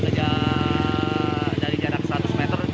dari jarak seratus meter